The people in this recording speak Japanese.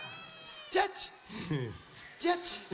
ジャッチジャッチ。